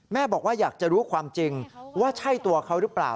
บอกว่าอยากจะรู้ความจริงว่าใช่ตัวเขาหรือเปล่า